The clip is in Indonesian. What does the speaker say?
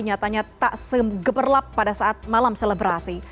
nyatanya tak segeberlap pada saat malam selebrasi